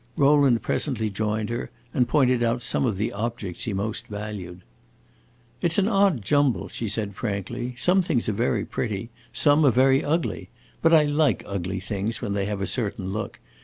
Rowland presently joined her, and pointed out some of the objects he most valued. "It 's an odd jumble," she said frankly. "Some things are very pretty some are very ugly. But I like ugly things, when they have a certain look.